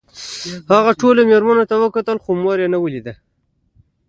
هغه ټولو مېرمنو ته وکتل خو مور یې ونه لیده